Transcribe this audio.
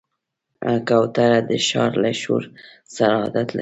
کوتره د ښار له شور سره عادت لري.